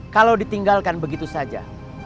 kalau ditinggalkan begitu saja